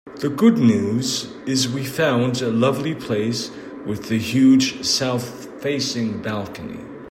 The good news is we found a lovely place with a huge south-facing balcony.